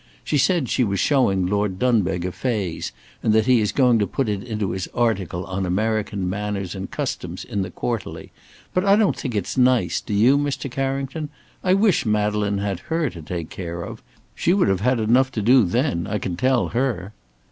She says she was showing Lord Dunbeg a phase, and that he is going to put it into his article on American Manners and Customs in the Quarterly, but I don't think it's nice, do you, Mr. Carrington? I wish Madeleine had her to take care of. She would have enough to do then, I can tell her."